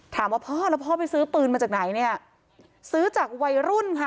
ถามว่าพ่อแล้วพ่อไปซื้อปืนมาจากไหนเนี่ยซื้อจากวัยรุ่นค่ะ